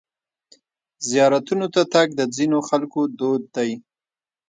زیارتونو ته تګ د ځینو خلکو دود دی.